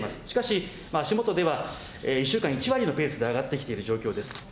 しかし足元では、１週間に１割のペースで上がってきている状況です。